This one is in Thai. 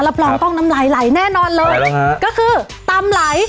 รับรองต้องนำไหลไหลแน่นอนเลยไหลแล้วค่ะก็คือตำไหล